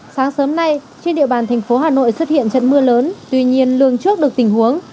sáng sớm nay trên địa bàn thành phố hà nội xuất hiện trận mưa lớn tuy nhiên lường trước được tình huống